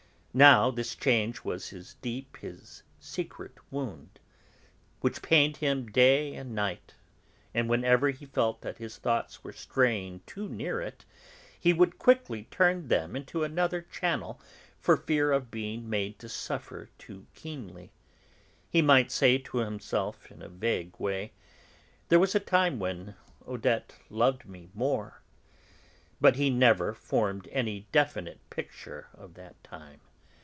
Now this change was his deep, his secret wound, which pained him day and night, and whenever he felt that his thoughts were straying too near it, he would quickly turn them into another channel for fear of being made to suffer too keenly. He might say to himself in a vague way: "There was a time when Odette loved me more," but he never formed any definite picture of that time.